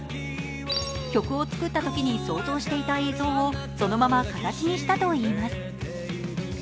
曲を作ったときに想像していた映像をそのまま形にしたといいます。